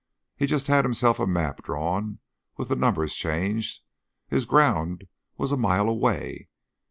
He just had himself a map drawn, with the numbers changed. His ground was a mile away.